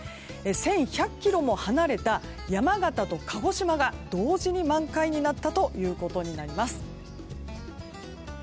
１１００ｋｍも離れた山形と鹿児島が同時に満開になったということです。